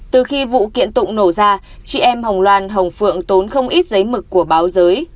từ khi vụ kiện tụng nổ ra chị em hồng loan hồng phượng tốn không ít giấy mực của báo giới